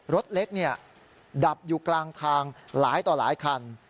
รถเล็กดับอยู่กลางทางหลายต่อหลายคัน